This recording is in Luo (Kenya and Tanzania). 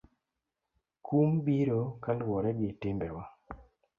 Kum biro kaluwore gi timbewa.